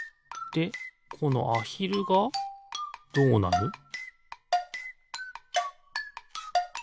でこのアヒルがどうなる？